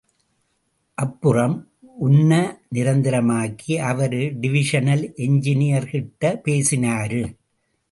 அப்புறம், உன்ன நிரந்தரமாக்கி அவரு, டிவிஷனல் என்ஜினியர்கிட்ட பேசினாரு.